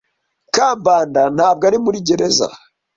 Kambanda ntabwo ari muri gereza.